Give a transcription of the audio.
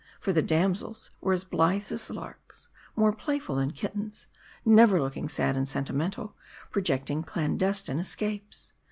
For the damsels were as blithe as larks, more playful than kittens ; never looking sad and sentimental, projecting clandestine escapes.